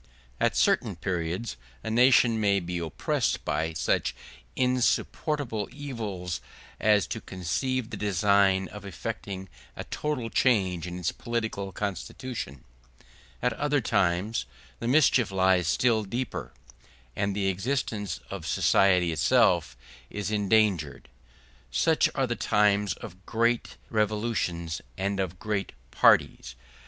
At certain periods a nation may be oppressed by such insupportable evils as to conceive the design of effecting a total change in its political constitution; at other times the mischief lies still deeper, and the existence of society itself is endangered. Such are the times of great revolutions and of great parties.